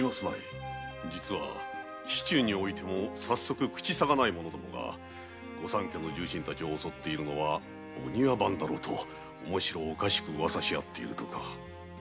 実は市中においても口さがない者どもが御三家の重臣たちを襲っているのはお庭番だろうとおもしろおかしくウワサしあっているとか。